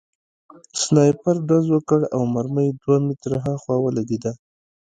سنایپر ډز وکړ او مرمۍ دوه متره هاخوا ولګېده